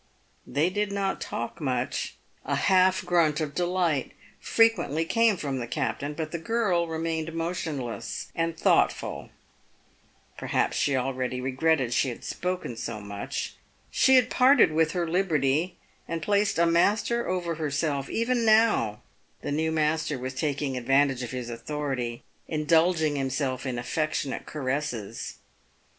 They did not talk much. A half grunt of delight frequently came from the captain, but the girl remained motionless and thoughtful. Perhaps she already 316 PAYED WITH GOLD. regretted she had spoken so much. She had parted with her liberty, and placed a master over herself; even now the new master was taking advantage of his authority, indulging himself in affectionate caresses.